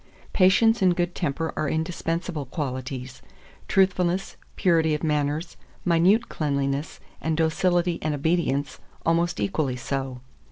Patience and good temper are indispensable qualities; truthfulness, purity of manners, minute cleanliness, and docility and obedience, almost equally so.